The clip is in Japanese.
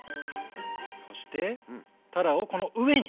そしてたらをこの上に。